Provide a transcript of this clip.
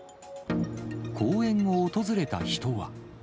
公園を訪れた人は。